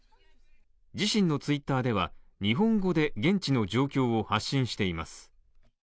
自身のＴｗｉｔｔｅｒでは日本語で現地の状況を発信しています。